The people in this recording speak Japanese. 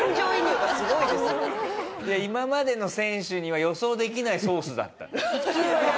今までの選手には予想できないソースだった。